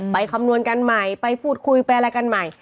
คำนวณกันใหม่ไปพูดคุยไปอะไรกันใหม่